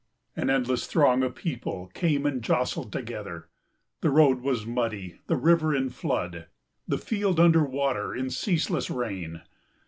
An endless throng of people came and jostled together. The road was muddy, the river in flood, the field under water in ceaseless rain.